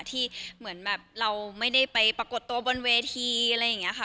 ที่เหมือนแบบเราไม่ได้ไปปรากฏตัวบนเวทีอะไรอย่างนี้ค่ะ